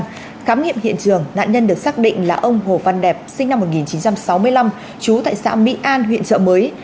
khám nghiệm hiện trường nạn nhân được xác định là ông hồ văn đẹp sinh năm một nghìn chín trăm sáu mươi năm trú tại xã mỹ an huyện trợ mới